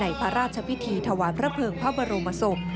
พระราชพิธีถวายพระเภิงพระบรมศพ